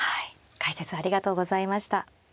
解説ありがとうございました。